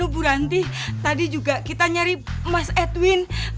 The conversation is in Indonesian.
selamat malam mami